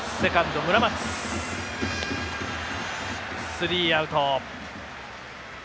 スリーアウト。